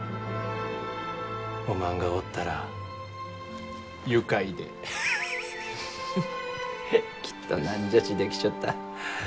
おまんがおったら愉快でハハハハッきっと何じゃちできちょった。